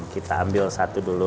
kita ambil satu dulu